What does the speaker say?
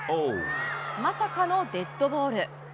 まさかのデッドボール。